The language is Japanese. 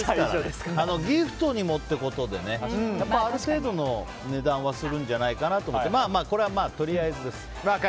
ギフトにもということでねある程度の値段はするんじゃないかなと思ってまあ、これはとりあえずです。